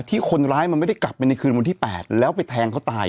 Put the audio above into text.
ที่คนร้ายมันไม่ได้กลับไปในคืนวันที่๘แล้วไปแทงเขาตาย